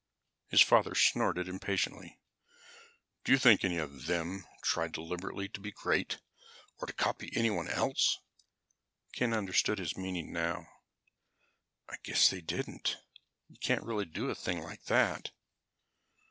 His father snorted impatiently. "Do you think any one of them tried deliberately to be great, or to copy anyone else?" Ken understood his meaning now. "I guess they didn't. You can't really do a thing like that."